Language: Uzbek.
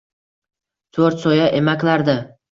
To’rt soya emaklardi